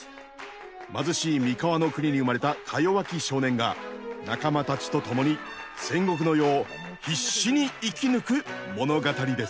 貧しい三河の国に生まれたかよわき少年が仲間たちと共に戦国の世を必死に生き抜く物語です。